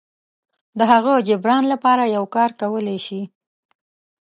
د هغه جبران لپاره یو کار کولی شي.